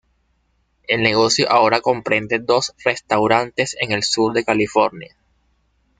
El negocio ahora comprende dos restaurantes en el sur de California.